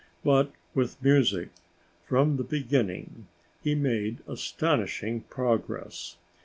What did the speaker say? But with music, from the beginning, he made astonishing progress.